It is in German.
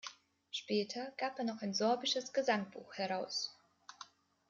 Später gab er noch ein sorbisches Gesangbuch heraus.